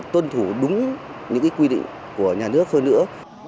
tuân thủ đúng những quy định của nhà nước hơn nữa